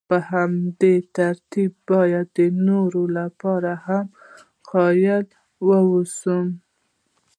په همدې ترتیب باید د نورو لپاره هم قایل واوسم.